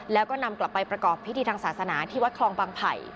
แล้วก็นำกลับไปประกอบพิธีทางศาสนาที่วัดคลองบางไผ่